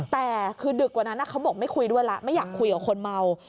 แต่คือดึกกว่านั้นเขาบอกไม่คุยด้วยแล้วไม่อยากคุยกับคนเมา